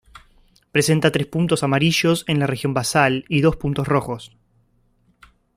Presenta tres puntos amarillos en la región basal, y dos puntos rojos.